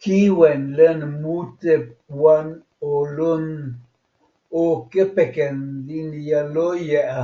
kiwen len mute wan o lon, o kepeken linja loje a!